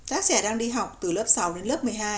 các trẻ đang đi học từ lớp sáu đến lớp một mươi hai